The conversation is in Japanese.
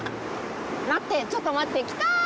待って、ちょっと待って、来た！